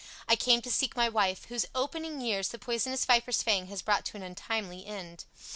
I come to seek my wife, whose opening years the poisonous viper's fang has brought to an untimely end.